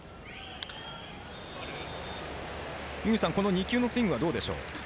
２球のスイングはどうでしょう？